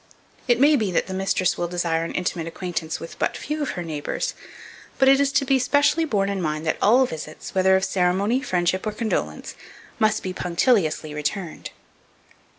It may be, that the mistress will desire an intimate acquaintance with but few of her neighbours; but it is to be specially borne in mind that all visits, whether of ceremony, friendship, or condolence, should be punctiliously returned.